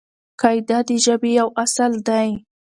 قاعده د ژبې یو اصل دئ.